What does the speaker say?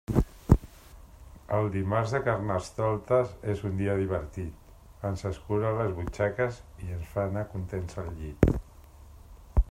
El dimarts de Carnestoltes és un dia divertit: ens escura les butxaques i ens fa anar contents al llit.